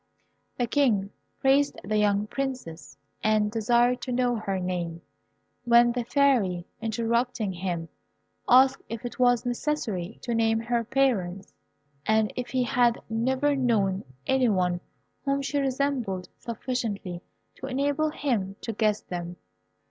The King praised the young Princess, and desired to know her name, when the Fairy, interrupting him, asked if it was necessary to name her parents, and if he had never known any one whom she resembled sufficiently to enable him to guess them.